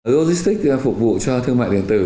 logistics phục vụ cho thương mại điện tử